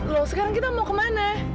loh sekarang kita mau ke mana